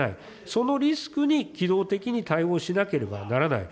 そのリスクに機動的に対応しなければならない。